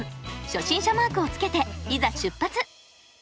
初心者マークをつけていざ出発！